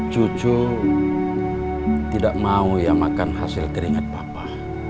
cucu tidak mau ya makan hasil keringat papa